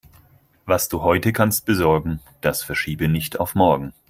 Was du heute kannst besorgen, das verschiebe nicht auf morgen.